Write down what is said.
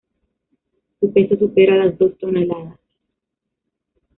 Su peso supera las dos toneladas.